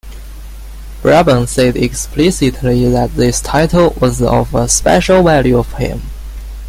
Braben said explicitly that this title was of a special value to him.